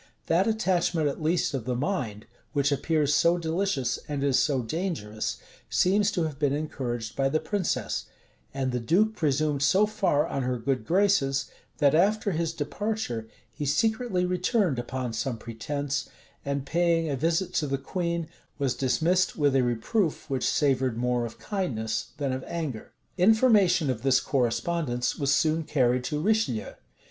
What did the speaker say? That attachment at least of the mind, which appears so delicious, and is so dangerous, seems to have been encouraged by the princess; and the duke presumed so far on her good graces, that, after his departure, he secretly returned upon some pretence, and, paying a visit to the queen, was dismissed with a reproof which savored more of kindness than of anger.[*] Information of this correspondence was soon carried to Richelieu.